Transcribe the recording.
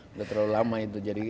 sudah terlalu lama itu